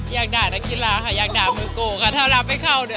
อยากด่านักอีทหลาฮะอยากด่ามือโกข้า